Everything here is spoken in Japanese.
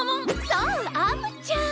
そうアムちゃん！